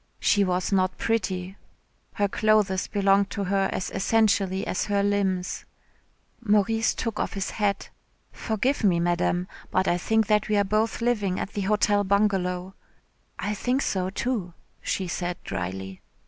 She was not pretty. Her clothes belonged to her as essentially as her limbs. Maurice took off his hat. "Forgive me, Madame, but I think that we are both living at the Hotel Bungalow." "I think so, too," she said drily.